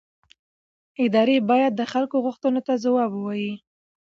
ادارې باید د خلکو غوښتنو ته ځواب ووایي